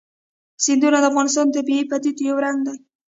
سیندونه د افغانستان د طبیعي پدیدو یو رنګ دی.